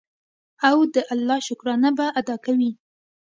او د الله شکرانه به ادا کوي.